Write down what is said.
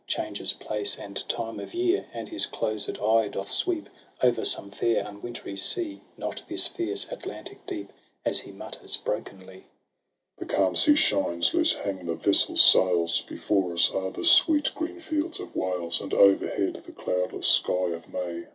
Changes place and time of year. And his closed eye doth sweep O'er some fair unwintry sea. Not this fierce Atlantic deep, As he mutters brokenly: — TRISTRAM AND ISEULT. 195 Tristram. The calm sea shines, loose hang the vessel's sails — Before us are the sweet green fields of Wales, And overhead the cloudless sky of May.